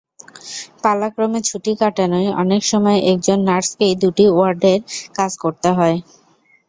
পালাক্রমে ছুটি কাটানোয় অনেক সময় একজন নার্সকেই দুটি ওয়ার্ডের কাজ করতে হয়।